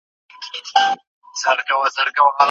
مسلمانان د نورو ادیانو احترام کوي.